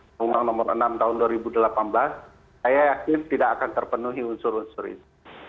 undang undang nomor enam tahun dua ribu delapan belas saya yakin tidak akan terpenuhi unsur unsur itu